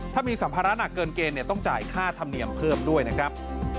ถ้ามีสัมภาระหนักเกินเกณฑ์ต้องจ่ายค่าธรรมเนียมเพิ่มด้วยนะครับ